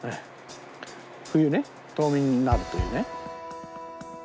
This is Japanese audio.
冬ね冬眠になるというね。